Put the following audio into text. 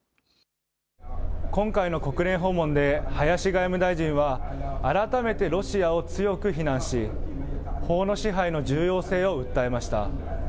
今回の国連訪問で、林外務大臣は、改めてロシアを強く非難し、法の支配の重要性を訴えました。